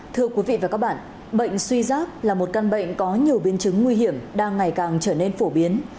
thưa quý vị và các bạn bệnh suy giác là một căn bệnh có nhiều biến chứng nguy hiểm đang ngày càng trở nên phổ biến